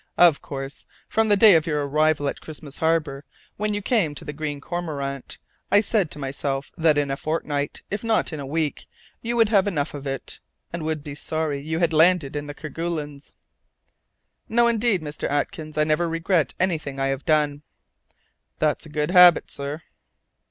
"Of course. From the day of your arrival at Christmas Harbour, when you came to the Green Cormorant, I said to myself that in a fortnight, if not in a week, you would have enough of it, and would be sorry you had landed in the Kerguelens." "No, indeed, Mr. Atkins; I never regret anything I have done." "That's a good habit, sir."